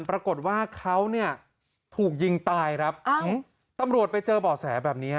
ปรากฏว่าเขาเนี่ยถูกยิงตายครับตำรวจไปเจอบ่อแสแบบนี้ฮะ